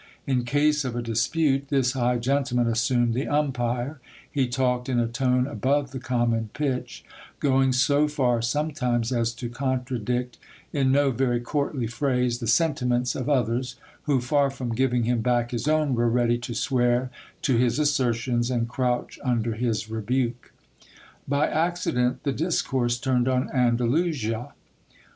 In case of a dispute, this high gentleman assumed the umpire, he talked in a tone above the common pitch, going so far sometimes as to contradict in no very courtly phrase the sentiments of others, who, far from giving him back his own, were ready to swear to his assertions and crouch under his rebuke. By accident the dis course turned on Andalusia.